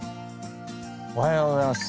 おはようございます。